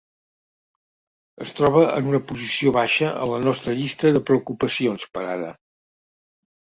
Es troba en una posició baixa en la nostra llista de preocupacions per ara.